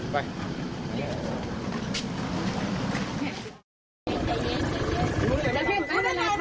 เวลาทำเห็นไหม